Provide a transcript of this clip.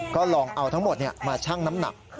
ก็ลองเอาทั้งหมดมาชั่งน้ำหนัก